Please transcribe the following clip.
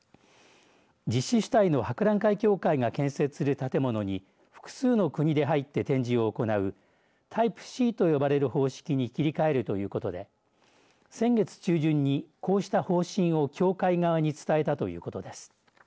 実施主体の博覧会協会が建設する建物に複数の国で入って展示を行うタイプＣと呼ばれる方式に切り替えるということで先月中旬にこうした方針を協会側に伝えたということです。